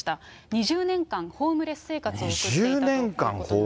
２０年間ホームレス生活をしていたと。